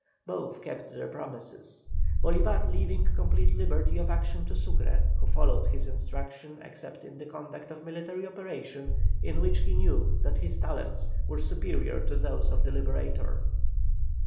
Both kept their promises, Bolívar leaving complete liberty of action to Sucre, who followed his instructions except in the conduct of military operations, in which he knew that his talents were superior to those of the Liberator.